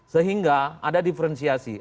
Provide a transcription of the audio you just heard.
sehingga ada diferensiasi